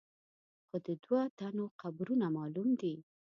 خو د دوو تنو قبرونه معلوم دي.